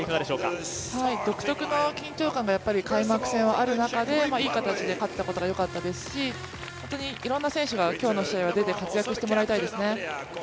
独特の緊張感が開幕戦はある中で、いい形で勝ったことがよかったですし、本当にいろんな選手は今日の試合は出て活躍してもらいたいですね。